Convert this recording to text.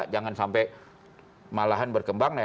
jangan sampai malahan berkembang